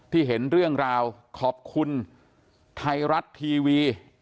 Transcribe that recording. เห็นเรื่องราวขอบคุณไทยรัฐทีวี